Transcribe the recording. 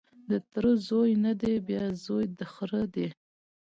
د تره زوی نه دی بیا زوی د خره دی